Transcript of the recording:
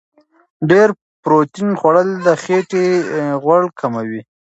ډېر پروتین خوړل د خېټې غوړ کموي.